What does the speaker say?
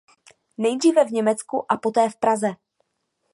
Nejdříve v Německu a poté v Praze.